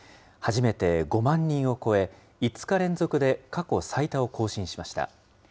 初めて５万人を超え、５日連続で過去最多を更新しました。